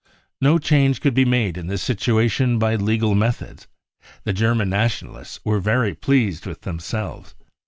No change could* be made in this situation by legal methods. The German Nationalists were very pleased with themselves.